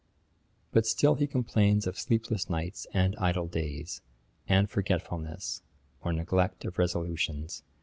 But still he complains of sleepless nights and idle days, and forgetfulness, or neglect of resolutions.